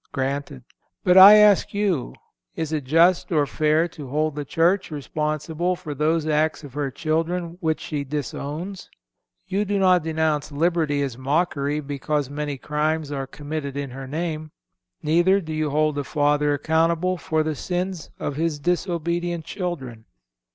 Granted. But I ask you: Is it just or fair to hold the Church responsible for those acts of her children which she disowns? You do not denounce liberty as mockery because many crimes are committed in her name; neither do you hold a father accountable for the sins of his disobedient children.